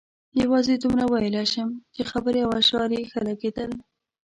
یوازې دومره ویلای شم چې خبرې او اشعار یې ښه لګېدل.